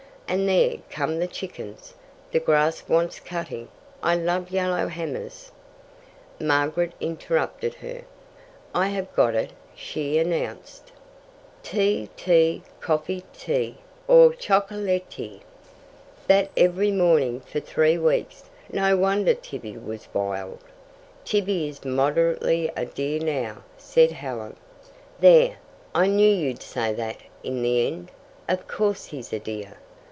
And there come the chickens. The grass wants cutting. I love yellow hammers " Margaret interrupted her. "I have got it," she announced. 'Tea, tea, coffee, tea, Or chocolaritee.' "That every morning for three weeks. No wonder Tibby was wild." "Tibby is moderately a dear now," said Helen. "There! I knew you'd say that in the end. Of course he's a dear."